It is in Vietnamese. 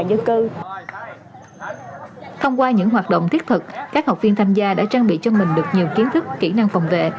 xong xong các học viên tham dự sẽ được trang bị những kỹ năng phòng vệ